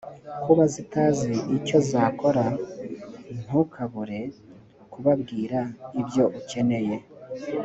kuba zitazi icyo zakora ntukabure kubabwira ibyo ukeneye